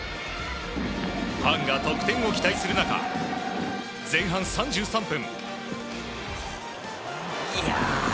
ファンが得点を期待する中前半３３分。